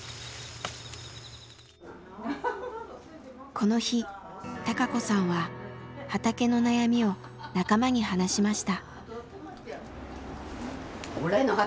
この日孝子さんは畑の悩みを仲間に話しました。